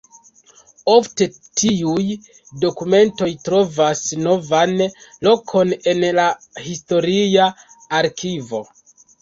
Ofte tiuj dokumentoj trovas novan lokon en la historia arkivo.